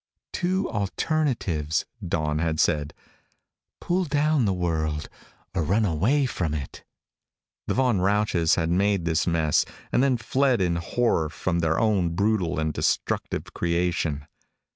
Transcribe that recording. "Two alternatives," Dawn had said. "Pull down the world or run away from it." The Von Rausches had made this mess and then fled in horror from their own brutal and destructive creation.